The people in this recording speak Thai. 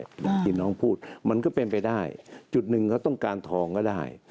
อย่างที่น้องพูดมันก็เป็นไปได้จุดหนึ่งเขาต้องการทองก็ได้